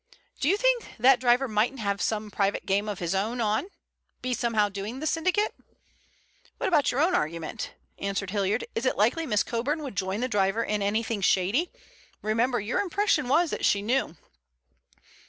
"Do you think that driver mightn't have some private game of his own on—be somehow doing the syndicate?" "What about your own argument?" answered Hilliard. "Is it likely Miss Coburn would join the driver in anything shady? Remember, your impression was that she knew."